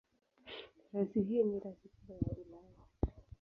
Rasi hii ni rasi kubwa ya Ulaya.